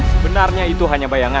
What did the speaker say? sebenarnya itu hanya bayangan